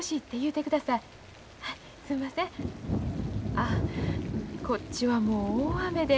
あこっちはもう大雨で。